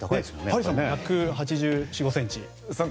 ハリーさんは１８５ｃｍ。